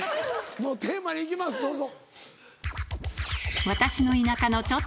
もうテーマにいきますどうぞ。